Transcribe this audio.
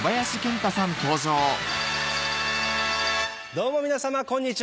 どうも皆さまこんにちは。